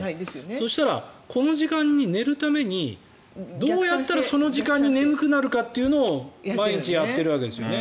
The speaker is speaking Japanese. そしたら、この時間に寝るためにどうやったらその時間に眠くなるかを毎日やっているわけですよね。